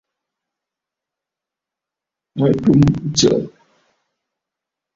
A tum ɨtsə̀ʼə̀.